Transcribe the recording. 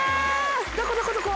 どこどこどこ？